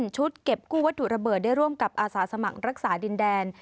ชุดเก็บกู้วัตถุระเบิดได้ร่วมกับอาสาสมัครรักษาดินแดน